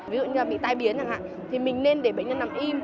ví dụ như là bị tai biến chẳng hạn thì mình nên để bệnh nhân nằm im